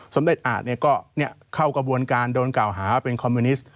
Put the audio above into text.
สมดิษฐ์อ่านก็เบี้ยเขากระบวนกาลโดนกล่าวหาว่าเป็นคอมมิวนิสต์